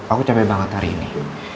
aku capek banget hari ini